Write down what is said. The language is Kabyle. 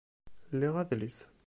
Liɣ adlis